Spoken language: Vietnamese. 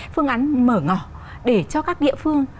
phương án mở ngỏ để cho các địa phương